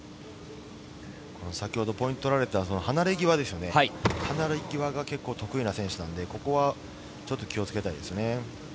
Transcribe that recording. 先ほどポイントを取られた離れ際結構得意な選手なので気を付けたいですね。